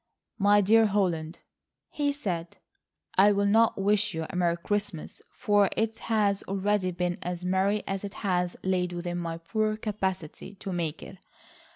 "My dear Holland," he said, "I will not wish you a Merry Christmas, for it has already been as merry as it has lain within my poor capacity to make it.